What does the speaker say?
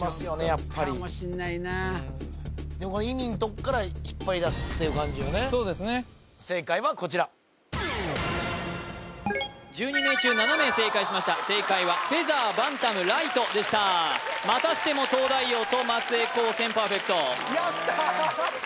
やっぱり正解はこちら１２名中７名正解しました正解はフェザーバンタムライトでしたまたしても東大王と松江高専パーフェクトやったー